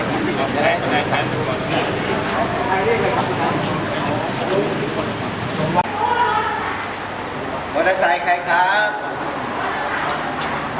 ที่บอกว่ามาจากฟังสแกร์ครับ